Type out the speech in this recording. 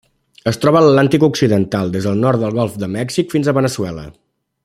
Es troba a l'Atlàntic occidental: des del nord del Golf de Mèxic fins a Veneçuela.